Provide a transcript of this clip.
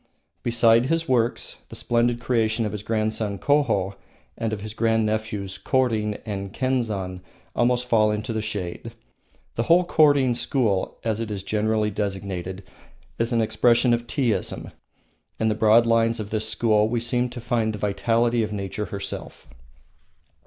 Beside his works, the splendid creation of his grandson, Koho, and of his grand nephews, Korin and Kenzan, almost fall into the shade. The whole Korin school, as it is generally designated, is an expression of Teaism. In the broad lines of this school we seem to find the vitality of nature herself.